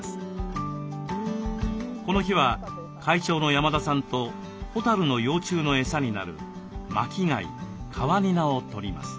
この日は会長の山田さんとホタルの幼虫の餌になる巻き貝カワニナを取ります。